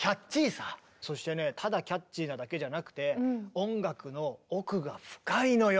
そしてねただキャッチーなだけじゃなくて音楽の奥が深いのよ